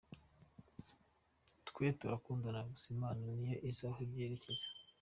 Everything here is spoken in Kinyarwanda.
Twe turakundana gusa Imana niyo izi aho ibyerekeza.